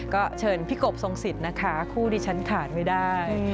ก็เชิญพี่กบทรงสิทธิ์นะคะคู่ดิฉันขาดไม่ได้